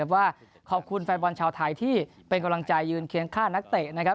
ว่าขอบคุณแฟนบอลชาวไทยที่เป็นกำลังใจยืนเคียงข้างนักเตะนะครับ